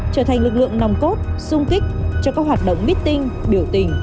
trở thành lực lượng nòng cốt xung kích cho các hoạt động mít tinh biểu tình